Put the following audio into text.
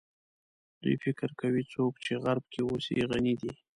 دوی فکر کوي څوک چې غرب کې اوسي غني دي.